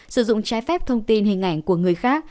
sử dụng trái phép thông tin hình ảnh của người khác